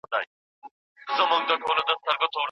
ته مه پرېږده چې څوک په ځنګل کې اور بل کړي.